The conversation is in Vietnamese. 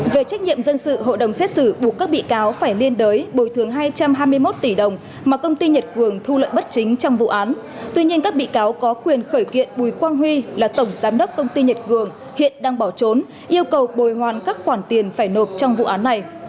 về trách nhiệm dân sự hội đồng xét xử buộc các bị cáo phải liên đới bồi thường hai trăm hai mươi một tỷ đồng mà công ty nhật cường thu lợi bất chính trong vụ án tuy nhiên các bị cáo có quyền khởi kiện bùi quang huy là tổng giám đốc công ty nhật cường hiện đang bỏ trốn yêu cầu bồi hoàn các khoản tiền phải nộp trong vụ án này